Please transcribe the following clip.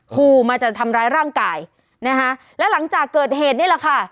คู่มาจะทำร้ายร่างกายนะคะแล้วหลังจากเกิดเหตุนี่แหละค่ะ